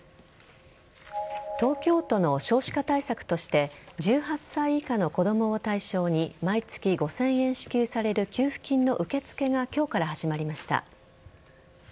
東京都の少子化対策として１８歳以下の子供を対象に毎月５０００円支給される給付金の受け付けが今日から始まりました。